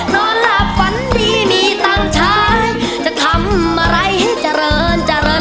นอนหลับฝันดีมีตังค์ใช้จะทำอะไรให้เจริญเจริญ